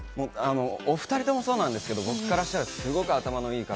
お２人ともそうですが、僕からしたら、すごく頭のいい方。